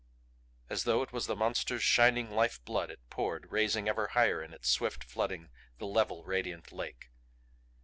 As though it was the Monster's shining life blood it poured, raising ever higher in its swift flooding the level radiant lake.